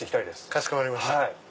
かしこまりました。